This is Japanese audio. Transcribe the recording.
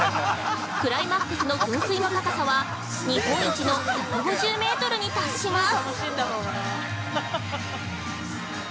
クライマックスの噴水の高さは日本一の１５０メートルに達します。